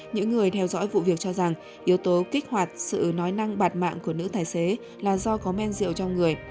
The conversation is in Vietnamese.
những người theo dõi vụ việc cho rằng yếu tố kích hoạt sự nói năng bạt mạng của nữ tài xế là do có men rượu trong người